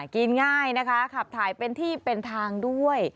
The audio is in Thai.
กินง่ายนะคะขับถ่ายเป็นที่เป็นทางด้วย